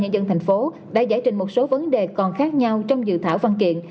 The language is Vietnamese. đã giải trình một số vấn đề còn khác nhau trong dự thảo văn kiện